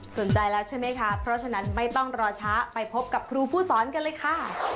สนใจแล้วใช่ไหมคะเพราะฉะนั้นไม่ต้องรอช้าไปพบกับครูผู้สอนกันเลยค่ะ